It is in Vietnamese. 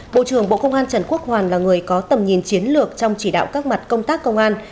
bộ trưởng bộ công an trần quốc hoàn là người có tầm nhìn chiến lược trong chỉ đạo các mặt công tác công an